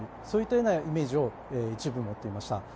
そういったようなイメージを一部持っていました。